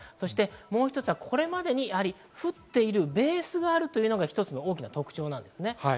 もう一つはこれまでに降っているベースがあるというのが一つの大きな特徴です。